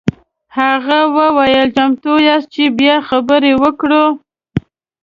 هغه وویل چمتو یاست چې بیا خبرې وکړو.